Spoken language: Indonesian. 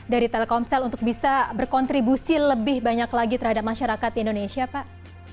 dari telkomsel untuk bisa berkontribusi lebih banyak lagi terhadap masyarakat di indonesia pak